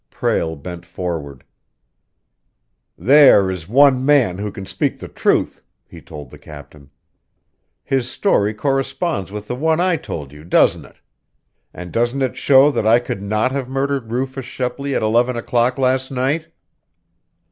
Prale bent forward. "There is one man who can speak the truth," he told the captain. "His story corresponds with the one I told you, doesn't it? And doesn't it show that I could not have murdered Rufus Shepley at eleven o'clock last night?"